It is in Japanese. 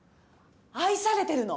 愛されてるの。